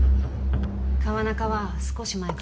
川中は少し前から